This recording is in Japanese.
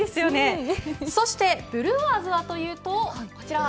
そしてブルワーズはというとこちら。